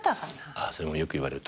ああそれもよくいわれる。